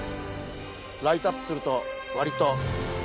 ライトアップすると割と。